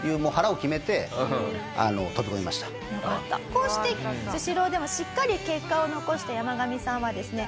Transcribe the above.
こうしてスシローでもしっかり結果を残したヤマガミさんはですね